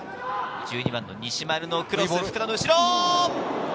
１２番・西丸のクロス、福田の後ろ！